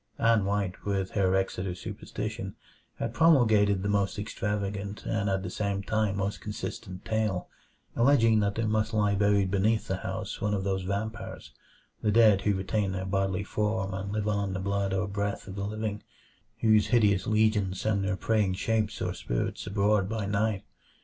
Ann White, with her Exeter superstition, had promulgated the most extravagant and at the same time most consistent tale; alleging that there must lie buried beneath the house one of those vampires the dead who retain their bodily form and live on the blood or breath of the living whose hideous legions send their preying shapes or spirits abroad by night.